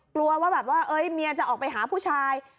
กลัวว่าแบบว่าเมียจะออกไปหาผู้ชาย